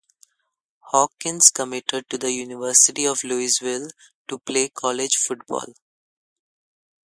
Hawkins committed to the University of Louisville to play college football.